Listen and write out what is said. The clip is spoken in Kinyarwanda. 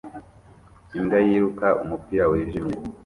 Imbwa yiruka umupira wijimye